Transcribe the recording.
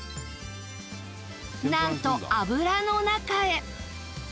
なんと油の中へ